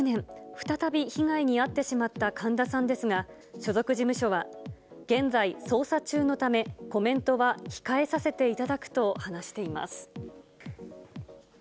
再び被害に遭ってしまった神田さんですが、所属事務所は、現在、捜査中のため、コメントは控えさせていただくと話しています。